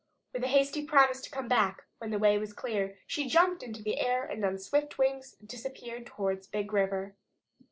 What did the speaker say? With a hasty promise to come back when the way was clear, she jumped into the air and on swift wings disappeared towards the Big River.